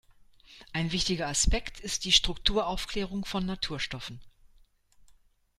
Ein wichtiger Aspekt ist die Strukturaufklärung von Naturstoffen.